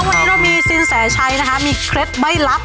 วันนี้เรามีสินแสชัยนะคะมีเคล็ดใบ้ลับ